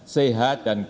sehat dan keras